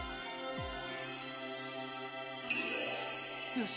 よし。